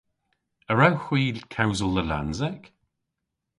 A wrewgh hwi kewsel Lallansek?